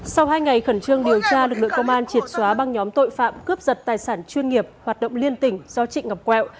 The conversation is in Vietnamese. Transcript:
sau hai ngày khẩn trương điều tra lực lượng công an triệt xóa băng nhóm tội phạm cướp giật tài sản chuyên nghiệp hoạt động liên tỉnh do trịnh ngọc quẹo